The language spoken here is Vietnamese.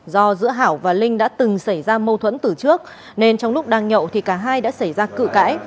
do giữa hảo và linh đã từng xảy ra mâu thuẫn từ trước nên trong lúc đang nhậu thì cả hai đã xảy ra cự cãi